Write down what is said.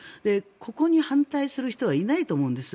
ここに反対する人はいないと思うんです。